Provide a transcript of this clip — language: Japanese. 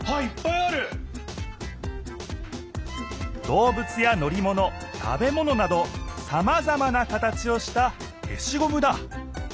どうぶつやのりもの食べものなどさまざまな形をした消しゴムだ